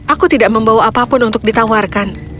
aku tidak membawa apapun untuk ditawarkan